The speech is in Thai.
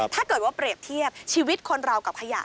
ถ้าเกิดว่าเปรียบเทียบชีวิตคนเรากับขยะ